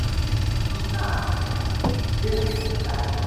勿吉古肃慎地也。